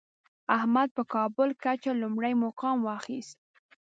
احمد په کابل کچه لومړی مقام واخیست.